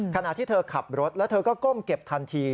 ขณะที่เธอขับรถแล้วเธอก็ก้มเก็บทันที